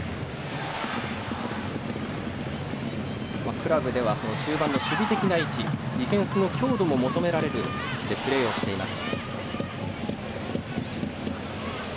クラブでは、中盤の守備的な位置ディフェンスの強度も求められる位置でプレーをしています。